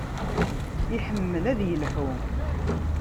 Iḥemmel ad yelḥu.